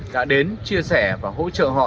đã đến chia sẻ và hỗ trợ họ